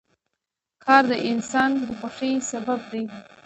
کور د انسان د خوښۍ سبب دی.